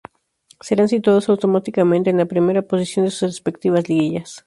Serán situados automáticamente en la primera posición de sus respectivas liguillas.